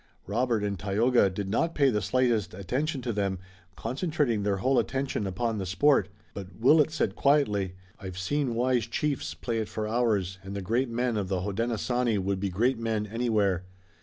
Robert and Tayoga did not pay the slightest attention to them, concentrating their whole attention upon the sport, but Willet said quietly: "I've seen wise chiefs play it for hours, and the great men of the Hodenosaunee would be great men anywhere."